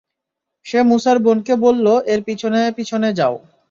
সে মূসার বোনকে বলল, এর পিছনে পিছনে যাও।